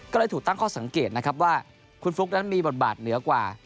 ก็เลยถูกตั้งข้อสังเกตนะครับว่าคุณฟลุ๊กนั้นมีบทบาทเหนือกว่า